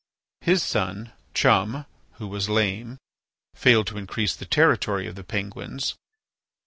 His son, Chum, who was lame, failed to increase the territory of the Penguins.